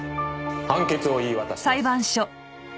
判決を言い渡します。